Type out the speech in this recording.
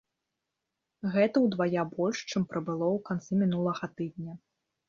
Гэта ўдвая больш, чым прыбыло ў канцы мінулага тыдня.